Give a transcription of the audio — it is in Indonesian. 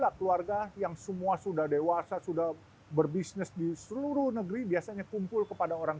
keluarga yang semua sudah dewasa sudah berbisnis di seluruh negeri biasanya kumpul kepada orang